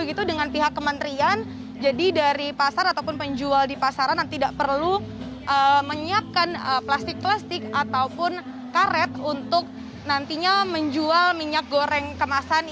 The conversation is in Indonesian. begitu dengan pihak kementerian jadi dari pasar ataupun penjual di pasaran tidak perlu menyiapkan plastik plastik ataupun karet untuk nantinya menjual minyak goreng kemasan